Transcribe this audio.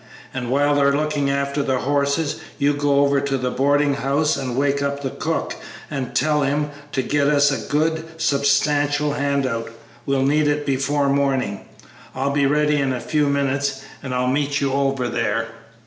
And while they're looking after the horses, you go over to the boarding house and wake up the cook and tell him to get us up a good, substantial hand out; we'll need it before morning. I'll be ready in a few minutes, and I'll meet you over there."